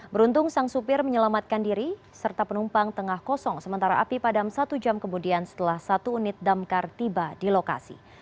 beruntung sang supir menyelamatkan diri serta penumpang tengah kosong sementara api padam satu jam kemudian setelah satu unit damkar tiba di lokasi